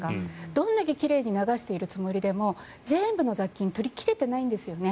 どんだけ奇麗に流しているつもりでも全部の雑菌を取り切れてないんですよね。